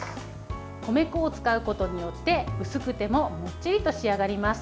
米粉を使うことによって薄くてももっちりと仕上がります。